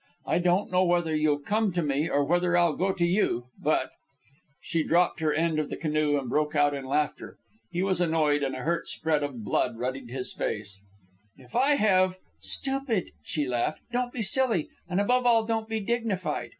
I don't know whether you'll come to me, or whether I'll go to you, but " She dropped her end of the canoe and broke out in laughter. He was annoyed, and a hurt spread of blood ruddied his face. "If I have " he began. "Stupid!" she laughed. "Don't be silly! And above all don't be dignified.